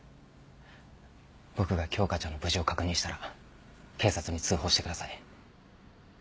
僕が京花ちゃんの無事を確認したら警察に通報してください。